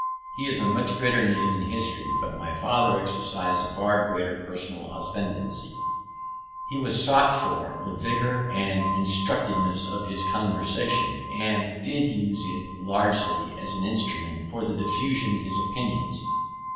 He is a much greater name in history. But my father exercised a far greater personal ascendency. He was sought for the vigour and instructiveness of his conversation, and did use it largely as an instrument for the diffusion of his opinions.